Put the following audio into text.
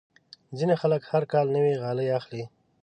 ځینې خلک هر کال نوې غالۍ اخلي.